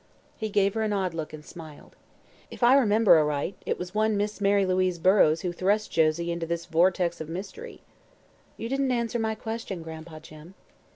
He gave her an odd look and smiled. "If I remember aright, it was one Miss Mary Louise Burrows who thrust Josie into this vortex of mystery." "You didn't answer my question, Gran'pa Jim."